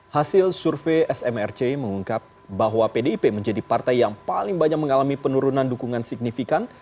hasil survei smrc mengungkap bahwa pdip menjadi partai yang paling banyak mengalami penurunan dukungan signifikan